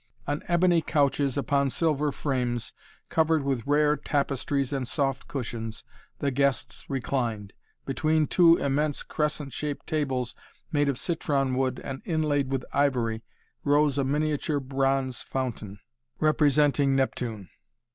On ebony couches upon silver frames, covered with rare tapestries and soft cushions, the guests reclined. Between two immense, crescent shaped tables, made of citron wood and inlaid with ivory, rose a miniature bronze fountain, representing Neptune.